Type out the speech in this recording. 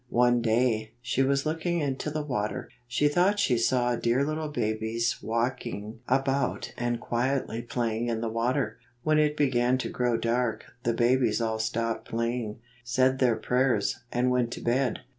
One day, as she was looking into the water, she thought she saw dear little babies walking 17 about and quietly playing in the water. When it began to grow dark, the babies all stopped playing, said their prayers, and went to bed.